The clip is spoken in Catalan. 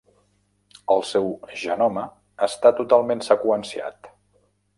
El seu genoma està totalment seqüenciat.